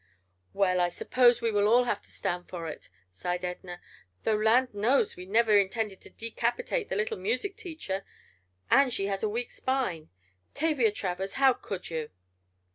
"Well, I suppose we will all have to stand for it," sighed Edna, "though land knows we never intended to decapitate the little music teacher. And she has a weak spine! Tavia Travers, how could you?"